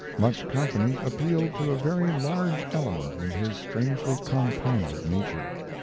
Much company appealed to a very large element in his strangely compounded nature.